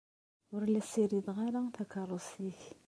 Ur la ssirideɣ ara takeṛṛust-ik.